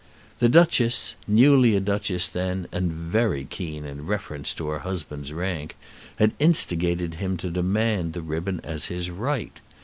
The Duchess, newly a duchess then and very keen in reference to her husband's rank, had instigated him to demand the ribbon as his right.